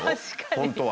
本当は。